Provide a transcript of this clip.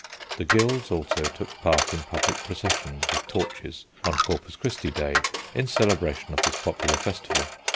The guilds also took part in public processions with torches on Corpus Christi Day in celebration of this popular festival.